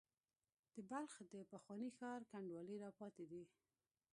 د بلخ د پخواني ښار کنډوالې را پاتې دي.